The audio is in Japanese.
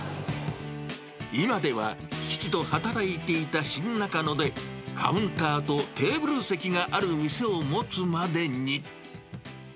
今では、父と働いていた新中野で、カウンターとテーブル席がある店を持つまでに。